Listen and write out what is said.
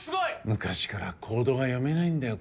昔から行動が読めないんだよ